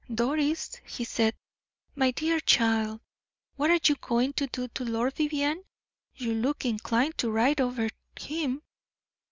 "Doris," he said, "my dear child, what are you going to do to Lord Vivianne? You look inclined to ride over him."